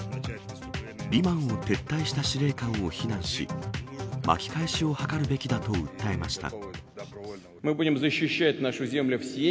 リマンを撤退した司令官を非難し、巻き返しを図るべきだと訴えました。